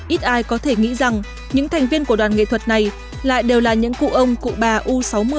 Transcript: ít ai có thể nghĩ rằng những thành viên của đoàn nghệ thuật này lại đều là những cụ ông cụ bà u sáu mươi